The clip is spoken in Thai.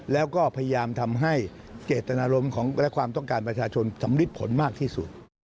แล้วก็พยายามทำให้เจตนารมณ์และความต้องการประชาชนสำริดผลมากที่สุด